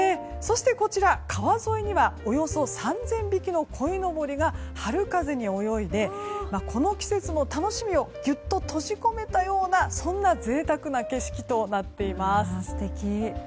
そしてこちら川沿いにはおよそ３０００匹のこいのぼりが春風に泳いでこの季節の楽しみをギュッと閉じ込めたようなそんな贅沢な景色となっています。